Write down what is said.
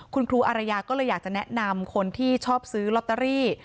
คุณครูอารยาก็เลยอยากจะแนะนำคนที่ชอบซื้อลอตเตอรี่